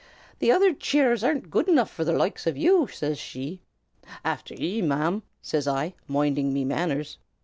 'The other cheers isn't good enough for the loikes of ye,' says she. "'Afther ye, ma'm,' says I, moinding me manners.